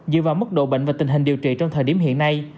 dựa vào mức độ bệnh và tình hình điều trị trong thời điểm hiện nay